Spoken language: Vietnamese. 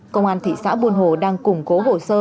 công an thị xã buôn hồ đang củng cố hồ sơ